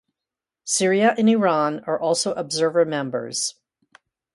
Syria and Iran are also observer members.